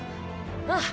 ああ。